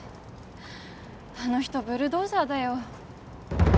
あの人ブルドーザーだよ